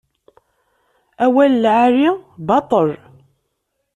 Awal n lɛali baṭel.